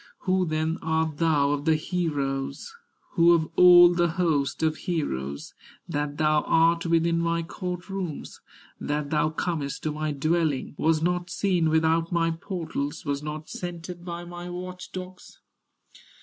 Who then art thou of the heroes, Who of all the host of heroes, That thou art within my court rooms, That thou comest to my dwelling, Was not seen without my portals, Was not scented by my watch dogs?"